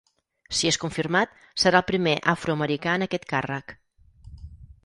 Si és confirmat, serà el primer afroamericà en aquest càrrec.